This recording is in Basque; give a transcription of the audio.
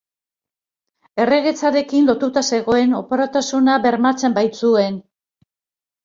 Erregetzarekin lotuta zegoen, oparotasuna bermatzen baitzuen.